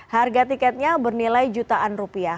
harga tiketnya bernilai jutaan rupiah